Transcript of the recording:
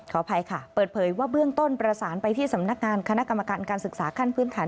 อภัยค่ะเปิดเผยว่าเบื้องต้นประสานไปที่สำนักงานคณะกรรมการการศึกษาขั้นพื้นฐาน